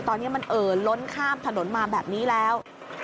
ตอนนี้มันเอ่อล้นข้ามถนนมาแบบนี้แล้ว